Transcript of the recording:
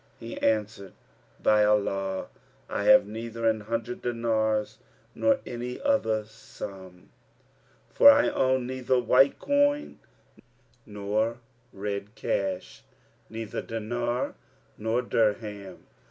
He answered, "By Allah, I have neither an hundred dinars, nor any other sum; for I own neither white coin nor red cash, neither dinar nor dirham.